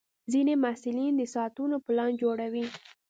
ځینې محصلین د ساعتونو پلان جوړوي.